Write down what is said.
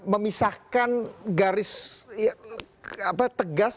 memisahkan garis tegas